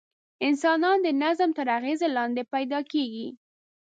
انسانان د نظم تر اغېز لاندې پیدا کېږي.